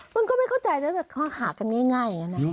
มึงก็ไม่เข้าใจนะความหากันนี่ง่าย